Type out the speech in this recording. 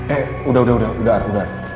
eh udah udah udah ar udah